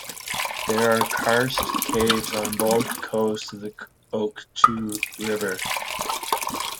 There are Karst caves on both coasts of the Okhchu River.